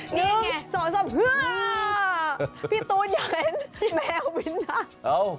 นึงสองสามเฮือพี่ตุ๊นอยากเห็นแมววินว่ะ